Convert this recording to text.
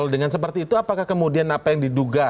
dan seperti itu apakah kemudian apa yang diduga